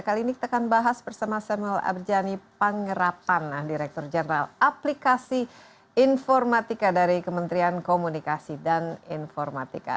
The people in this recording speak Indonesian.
kali ini kita akan bahas bersama samuel abjani pangerapan direktur jenderal aplikasi informatika dari kementerian komunikasi dan informatika